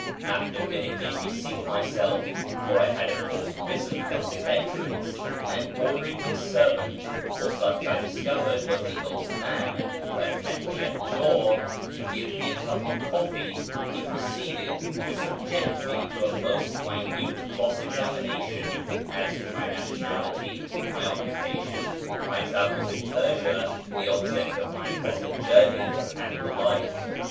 After bidding me reseat myself (for I had of course risen on his entrance) and ordering his servant (for such, I discovered, was the old man who had met me at the door) to give me a cup of coffee, he proceeded to subject me to a most minute cross examination as to my nationality, my occupation, my travels in Persia, the objects of my present journey, and the like.